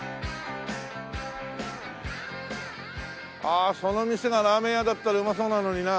あその店がラーメン屋だったらうまそうなのにな。